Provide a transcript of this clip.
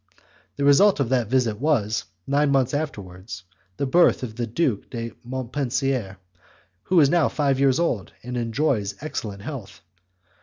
The result of that visit was, nine months afterwards, the birth of the Duke of Montpensier, who is now five years old and enjoys excellent health.